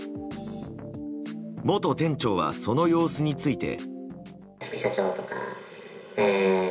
元店長は、その様子について。